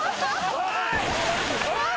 おい！